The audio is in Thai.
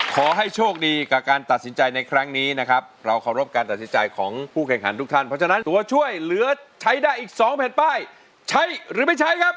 ขอให้โชคดีกับการตัดสินใจในครั้งนี้นะครับเราเคารพการตัดสินใจของผู้แข่งขันทุกท่านเพราะฉะนั้นตัวช่วยเหลือใช้ได้อีก๒แผ่นป้ายใช้หรือไม่ใช้ครับ